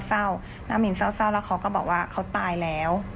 เศร้าหน้ามินเศร้าแล้วเขาก็บอกว่าเขาตายแล้ว